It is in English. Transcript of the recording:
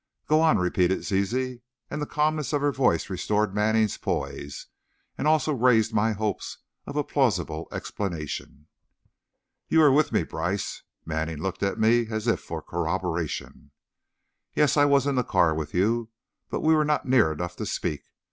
"Go on," repeated Zizi, and the calmness of her voice restored Manning's poise, and also raised my hopes of a plausible explanation. "You were with me, Brice," Manning looked at me, as if for corroboration. "Yes; I was in the car with you, but we were not near enough to speak.